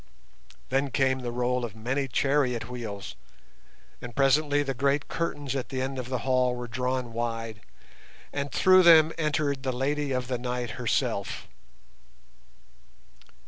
_" Then came the roll of many chariot wheels, and presently the great curtains at the end of the hall were drawn wide and through them entered the "Lady of the Night" herself.